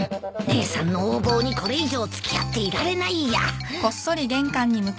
姉さんの横暴にこれ以上付き合っていられないや。